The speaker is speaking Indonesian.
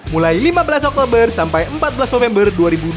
mulai lima belas oktober sampai empat belas november dua ribu dua puluh